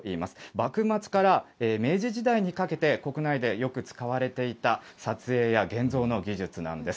幕末から明治時代にかけて、国内でよく使われていた撮影や現像の技術なんです。